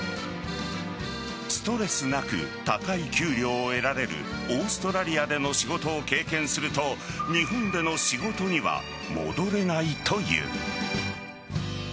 ストレスなく高い給料を得られるオーストラリアでの仕事を経験すると日本での仕事には戻れないという。